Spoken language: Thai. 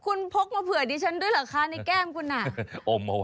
คุณพกมาเผื่อนี้นี่จะด้วยเหรอคะในแก้มคุณนะ